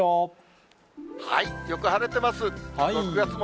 よく晴れてます。